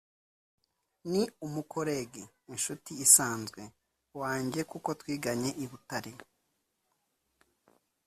ni umu collegue (inshuti isanzwe) wanjye kuko twiganye i Butare